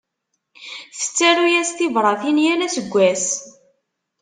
Tettaru-yas tibratin yal aseggas.